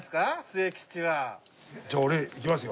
じゃあ俺いきますよ。